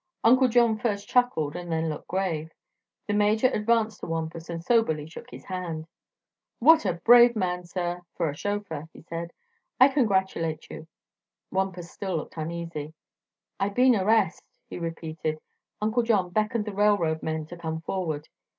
Uncle John first chuckled and then looked grave. The Major advanced to Wampus and soberly shook his hand. "You're a brave man, sir, for a chauffeur," he said. "I congratulate you," Wampus still looked uneasy. "I been arrest," he repeated. Uncle John beckoned the railroad men to come forward.